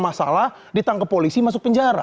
masalah ditangkap polisi masuk penjara